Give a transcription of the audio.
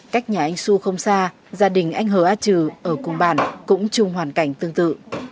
cách nhà anh xu không xa gia đình anh hờ a trừ ở cùng bản cũng chung hoàn cảnh tương tự